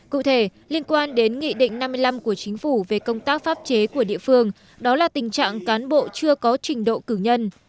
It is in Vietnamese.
cụ thể liên quan đến nghị định năm mươi năm của chính phủ về công tác pháp chế của địa phương đó là tình trạng cán bộ chưa có trình độ cử nhân